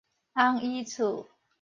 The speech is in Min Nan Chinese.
尪姨厝